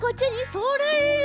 それ！